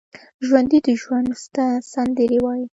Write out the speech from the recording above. ژوندي د ژوند سندرې وايي